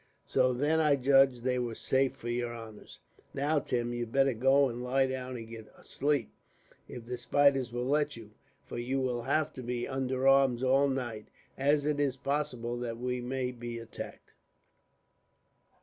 So then I judged that they were safe for yer honors." "Now, Tim, you'd better go and lie down and get a sleep, if the spiders will let you, for you will have to be under arms all night, as it is possible that we may be attacked."